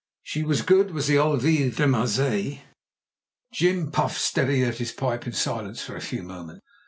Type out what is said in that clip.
"She was good, was the old veuve Demassiet." Jim puffed steadily at his pipe in silence for a few moments.